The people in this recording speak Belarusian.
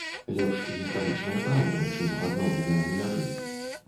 Лепш гістарычная праўда, чым адноўленыя муляжы.